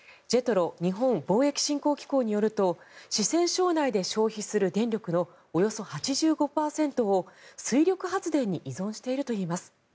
ＪＥＴＲＯ・日本貿易振興機構によると四川省内で消費する電力のおよそ８５％を水力発電に依存しているといいます。